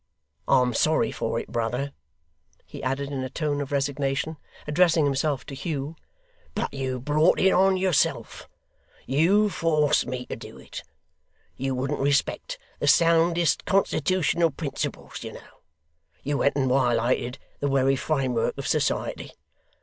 I'm sorry for it, brother,' he added, in a tone of resignation, addressing himself to Hugh; 'but you've brought it on yourself; you forced me to do it; you wouldn't respect the soundest constitootional principles, you know; you went and wiolated the wery framework of society.